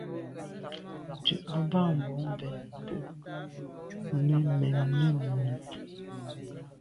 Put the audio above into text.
Ndù à ba mbwon mbèn mbe mènnenùne.